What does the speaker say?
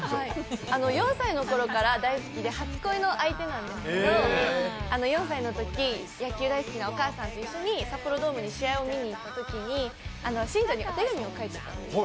４歳のころから大好きで初恋の相手なんですけど４歳のとき、野球大好きなお母さんと一緒に札幌ドームに試合を見に行ったときに新庄にお手紙書いたんです。